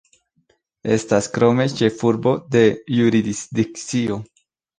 Estas krome ĉefurbo de jurisdikcio.